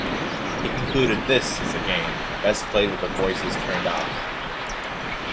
He concluded This is a game best played with the voices turned off.